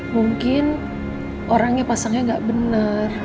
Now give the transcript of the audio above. mungkin orangnya pasangnya nggak benar